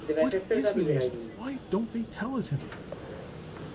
"What IS the reason? Why don't they tell it to me?"